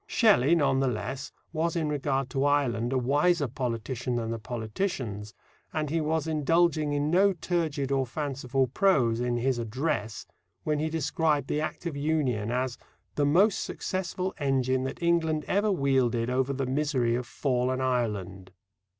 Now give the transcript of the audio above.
Shelley, none the less, was in regard to Ireland a wiser politician than the politicians, and he was indulging in no turgid or fanciful prose in his Address when he described the Act of Union as "the most successful engine that England ever wielded over the misery of fallen Ireland."